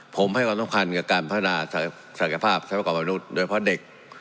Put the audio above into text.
ผมให้ความต้องการกับการพัฒนาศักยภาพศักดิ์ประกอบมนุษย์โดยเพราะเด็ก